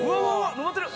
登ってる！